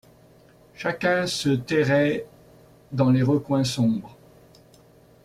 Chacun se terrait dans les recoins sombres.